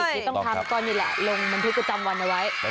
ที่ต้องทำก็นี่แหละลงบันทึกประจำวันเอาไว้